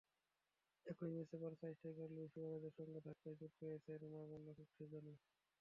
একই ম্যাচে Barca striker Luis সুয়ারেজের সঙ্গে ধাক্কায় চোট পেয়েছেন রোমা গোলরক্ষক সেজনি।